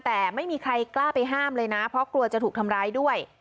แต่ไม่มีใครกล้าไปห้ามเลยนะเพราะกลัวจะถูกทำร้ายด้วย